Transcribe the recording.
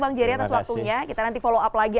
bang jerry atas waktunya kita nanti follow up lagi